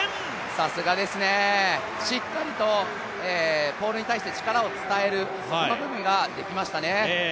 さすがですね、しっかりとポールに対して力を伝えることができましたね。